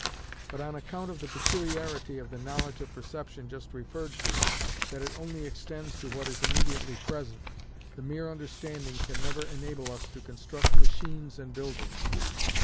But on account of the peculiarity of the knowledge of perception just referred to, that it only extends to what is immediately present, the mere understanding can never enable us to construct machines and buildings.